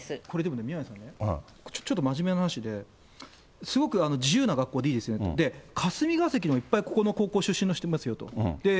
これでも宮根さんね、ちょっと真面目な話で、すごく自由な学校でいいですねと。霞が関のいっぱい、ここの高校のいらっしゃいます。